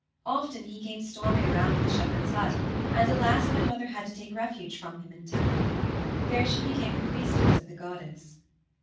Often he came storming around the shepherd's hut, and at last my mother had to take refuge from him in a temple. There she became the priestess of the goddess.